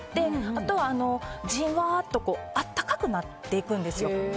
あとは、じわーっと温かくなっていくんですよ。